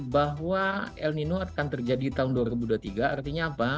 bahwa el nino akan terjadi tahun dua ribu dua puluh tiga artinya apa